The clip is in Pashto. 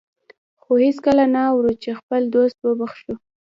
خو هېڅکله نه اورو چې خپل دوست وبخښو.